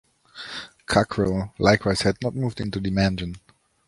Cockrel likewise had not moved into the mansion.